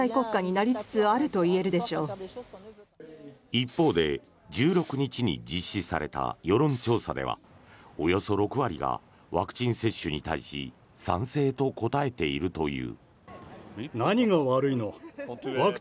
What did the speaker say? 一方で、１６日に実施された世論調査ではおよそ６割がワクチン接種に対し賛成と答えているという。